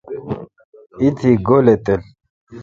ایتی گولی تل۔